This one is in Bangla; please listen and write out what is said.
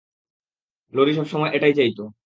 লরি সবসময় এটাই চাইত।